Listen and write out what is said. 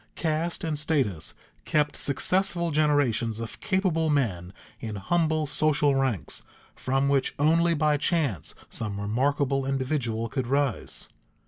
Caste and status kept successful generations of capable men in humble social ranks from which only by chance some remarkable individual could rise.